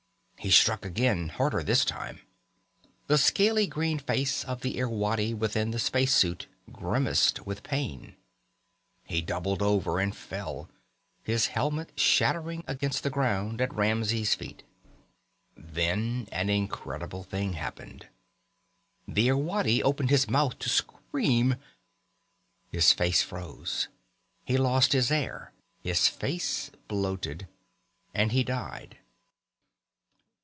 He struck again, harder this time. The scaly green face of the Irwadi within the space suit grimaced with pain. He doubled over and fell, his helmet shattering against the ground at Ramsey's feet. Then an incredible thing happened. The Irwadi opened his mouth to scream. His face froze. He lost his air. His face bloated. And he died.